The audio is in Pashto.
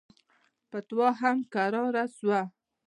فتوا هم کراره سوه.